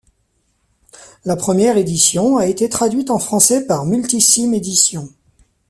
La première édition a été traduite en français par Multisim Éditions.